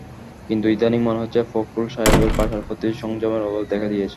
কিন্তু ইদানীং মনে হচ্ছে ফখরুল সাহেবের ভাষার প্রতি সংযমের অভাব দেখা দিয়েছে।